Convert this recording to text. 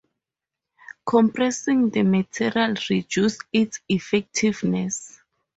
Compressing the material reduces its effectiveness.